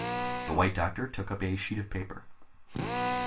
The White Doctor took up a sheet of paper.